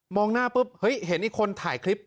หน้าปุ๊บเฮ้ยเห็นอีกคนถ่ายคลิป